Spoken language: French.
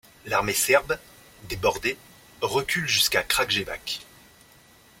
L'armée serbe, débordée, recule jusqu'à Kragujevac.